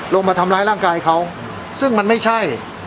มาทำร้ายร่างกายเขาซึ่งมันไม่ใช่